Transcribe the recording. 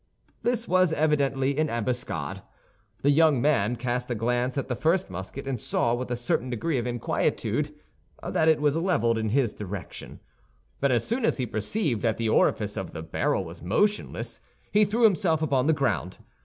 This was evidently an ambuscade. The young man cast a glance at the first musket and saw, with a certain degree of inquietude, that it was leveled in his direction; but as soon as he perceived that the orifice of the barrel was motionless, he threw himself upon the ground.